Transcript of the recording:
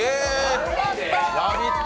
「ラヴィット！」